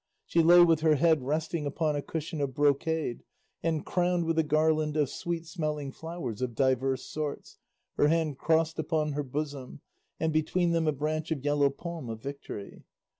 She lay with her head resting upon a cushion of brocade and crowned with a garland of sweet smelling flowers of divers sorts, her hands crossed upon her bosom, and between them a branch of yellow palm of victory.